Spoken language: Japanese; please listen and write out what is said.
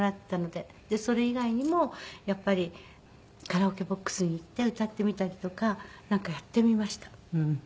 でそれ以外にもやっぱりカラオケボックスに行って歌ってみたりとかなんかやってみました。